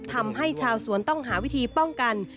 ทำให้ชาวสวนต้องหาวิธีป้องกัน